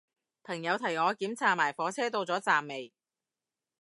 朋友提我檢查埋火車到咗站未